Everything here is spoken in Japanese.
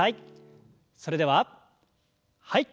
それでははい。